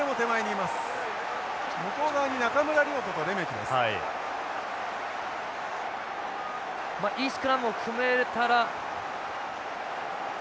いいスクラムを組めれたら。